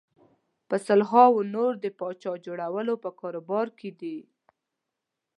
په سلهاوو نور د پاچا جوړولو په کاروبار کې دي.